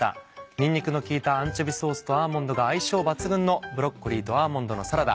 にんにくの効いたアンチョビーソースとアーモンドが相性抜群の「ブロッコリーとアーモンドのサラダ」。